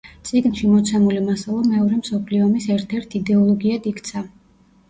წიგნში მოცემული მასალა მეორე მსოფლიო ომის ერთ-ერთ იდეოლოგიად იქცა.